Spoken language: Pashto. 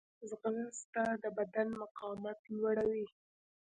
ځغاسته د بدن مقاومت لوړوي